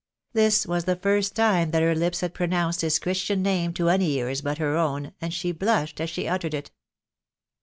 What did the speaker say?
This was the first time that her lips had pronounced his Christian name to any ears but her own, and she blushed as she uttered it.